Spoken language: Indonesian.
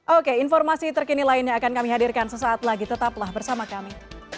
oke informasi terkini lainnya akan kami hadirkan sesaat lagi tetaplah bersama kami